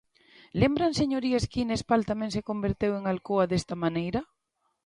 ¿Lembran, señorías, que Inespal tamén se converteu en Alcoa desta maneira?